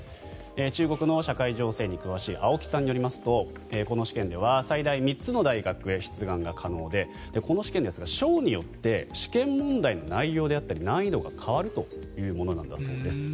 中国の社会情勢に詳しい青樹さんによりますとこの試験では最大３つの大学へ出願が可能でこの試験ですが、省によって試験問題の内容であったり難易度が変わるというものなんだそうです。